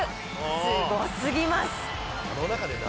すごすぎます。